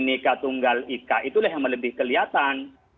itu yang lebih kelihatan